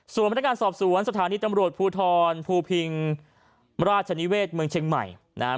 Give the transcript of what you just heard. ส่วนพนักงานสอบสวนสถานีตำรวจภูทรภูพิงราชนิเวศเมืองเชียงใหม่นะครับ